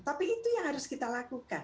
tapi itu yang harus kita lakukan